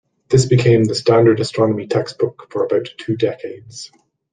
This became the standard astronomy textbook for about two decades.